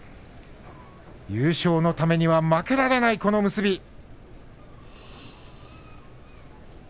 優勝のためには負けられない結びの一番。